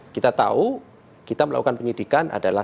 kita tahu kita melakukan penyidikan adalah